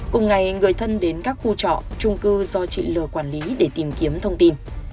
cùng ngày người thân đến các khu trọ trung cư do chị lừa quản lý để tìm kiếm thông tin